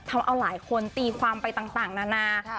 ทำเอาหลายคนตีความไปต่างนานา